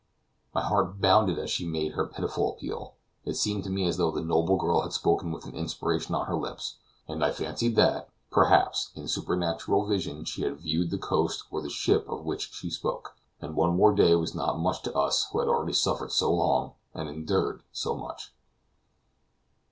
My heart bounded as she made her pitiful appeal. It seemed to me as though the noble girl had spoken with an inspiration on her lips, and I fancied that, perhaps, in supernatural vision she had viewed the coast or the ship of which she spoke; and one more day was not much to us who had already suffered so long, and endured so much.